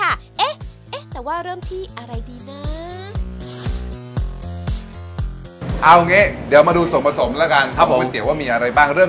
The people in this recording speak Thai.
คือเป็นเครื่องยาจีนทั้งหมด